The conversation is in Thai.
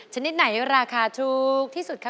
ชนิดไหนราคาถูกที่สุดคะ